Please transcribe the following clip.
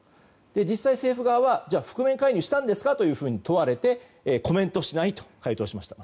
実際、政府側は覆面介入したんですかと問われてコメントしないと回答しました。